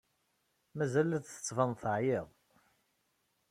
Mazal la d-tettbaned teɛyid.